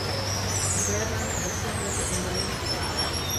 The Brethren assembled in the Regia.